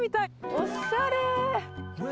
おっしゃれ―。